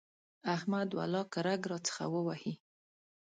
احمد ولاکه رګ راڅخه ووهي.